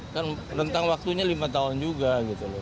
kan rentang waktunya lima tahun juga gitu loh